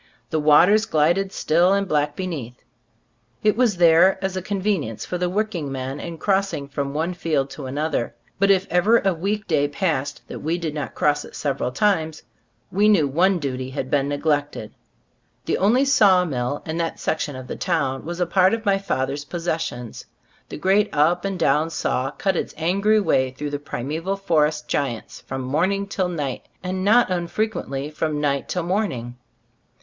The waters glided still and black be neath. It was there as a convenience for the working men in crossing from one field to another; but if ever a week day passed that we did not cross it several times, we knew one duty had been neglected. The only saw mill in that section of the town was a part of my father's possessions. The great up and down saw cut its angry way through the primeval forest giants from morning till night, and not unfrequently from night till morning.